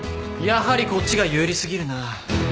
やはりこっちが有利過ぎるな。